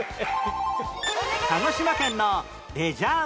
鹿児島県のレジャー問題